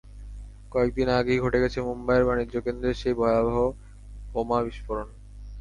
কয়েক দিন আগেই ঘটে গেছে মুম্বাইয়ের বাণিজ্যকেন্দ্রে সেই ভয়াবহ বোমা বিস্ফোরণ।